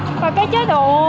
và cái chế độ nó sẽ tốt hơn